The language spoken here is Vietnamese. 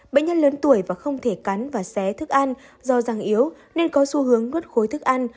bệnh nhân lớn tuổi và không thể cắn và xé thức ăn do răng yếu nên có xu hướng nốt khối thức ăn